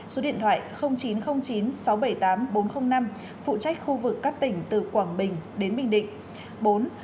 số điện thoại chín trăm linh chín sáu trăm bảy mươi tám bốn trăm linh năm phụ trách khu vực các tỉnh từ quảng bình đến bình định